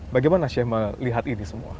bagaimana sheikh melihat ini semua